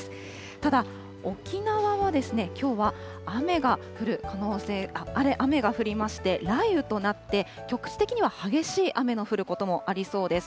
ただ沖縄はきょうは雨が降りまして、雷雨となって、局地的には激しい雨の降ることもありそうです。